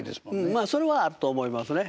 まあそれはあると思いますね。